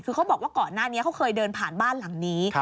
คือเขาบอกว่าก่อนหน้านี้เขาเคยเดินผ่านบ้านหลังนี้